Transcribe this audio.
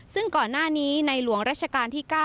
ซึ่งก่อนหน้านี้ในหลวงรัชกาลที่๙